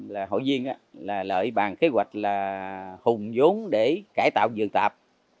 là hội viên là lợi bàn kế hoạch là hùng giống để cải tạo vườn tạp